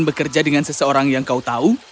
bekerja dengan seseorang yang kau tahu